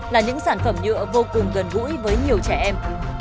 là những sản phẩm nhựa vô cùng gần gũi với nhiều trẻ em